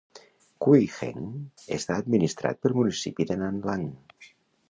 Cuiheng està administrat pel municipi de Nanlang.